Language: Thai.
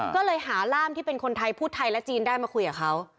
ก็เลยหาร่ามที่เป็นคนไทยพูดไทยและจีนได้มาคุยกับเขา